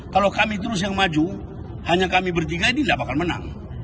kalau kami terus yang maju hanya kami bertiga ini tidak bakal menang